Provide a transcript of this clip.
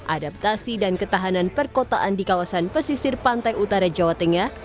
adaptasi dan ketahanan perkotaan di kawasan pesisir pantai utara jawa tengah